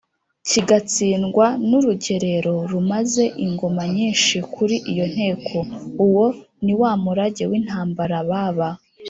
kigatsindwa n’urugerero rumaze ingoma nyinshi kuri iyo nteko. uwo ni wa murage w’intambara baba